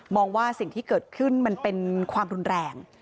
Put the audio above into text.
ว่าสิ่งที่เกิดขึ้นมันเป็นความรุนแรง